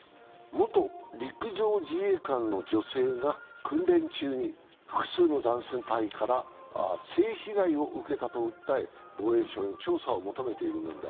元陸上自衛官の女性が訓練中に複数の男性隊員から性被害を受けたと訴え防衛省に調査を求めている問題。